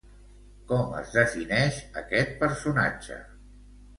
Com es defineix aquest personatge?